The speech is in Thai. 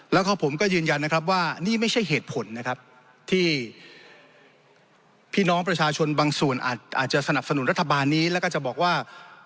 แล้วก็ผมก็ยืนยันนะครับว่านี่ไม่ใช่เหตุผลนะครับที่พี่น้องประชาชนบางส่วนอาจจะสนับสนุนรัฐบาลนี้แล้วก็จะบอกว่า